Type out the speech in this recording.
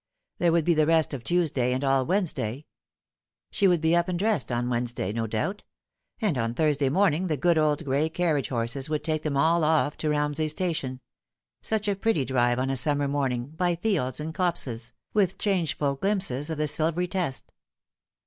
There would be the rest of Tuesday and all Wed nesday. She would be up and dressed on Wednesday, no doubt ; and on Thursday morning the good old gray carriage horses would take them all off to Komsey Station such a pretty drive on a summer morning, by fields and copses, with changeful glimpses of the silvery Test.